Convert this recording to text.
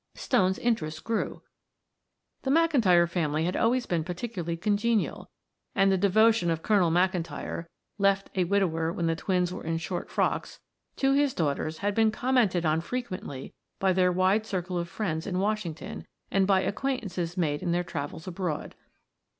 Stone's interest grew. The McIntyre family had always been particularly congenial, and the devotion of Colonel McIntyre (left a widower when the twins were in short frocks) to his daughters had been commented on frequently by their wide circle of friends in Washington and by acquaintances made in their travels abroad.